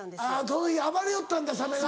その日暴れよったんだサメが。